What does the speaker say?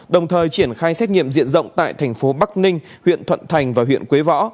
đồng thời triển khai xét nghiệm diện rộng tại thành phố bắc ninh huyện thuận thành và huyện quế võ